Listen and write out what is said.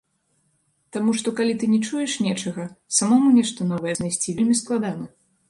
Таму што, калі ты не чуеш нечага, самому нешта новае знайсці вельмі складана.